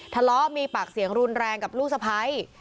ทะเลาะมีปากเสียงรุนแรงกับลูกสะพ้าย